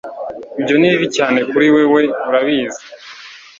ibyo ni bibi cyane kuri wewe, urabizi